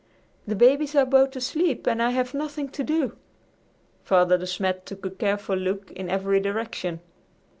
"The babies are both asleep and I have nothing to do." Father De Smet took a careful look in every direction.